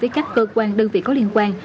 với các cơ quan đơn vị có liên quan